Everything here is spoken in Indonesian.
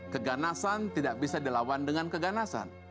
keganasan tidak bisa dilawan dengan keganasan